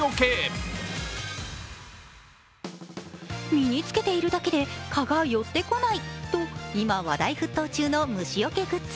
身に着けているだけで蚊が寄ってこないと今、話題沸騰中の虫よけグッズ